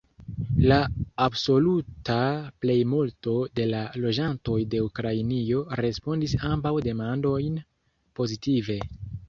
La absoluta plejmulto de la loĝantoj de Ukrainio respondis ambaŭ demandojn pozitive.